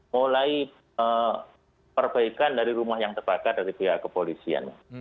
mulai perbaikan dari rumah yang terbakar dari pihak kepolisian